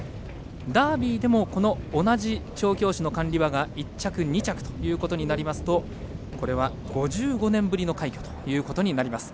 ダービーでも、同じ調教師で１着、２着ということになりますとこれは５５年ぶりの快挙ということになります。